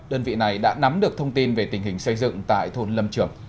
đơn vị này đã nắm được thông tin về tình hình xây dựng tại thôn lâm trường